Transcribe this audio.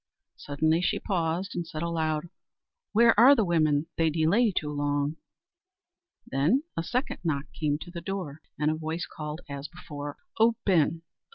Suddenly she paused, and said aloud: "Where are the women? they delay too long." Then a second knock came to the door, and a voice called as before, "Open!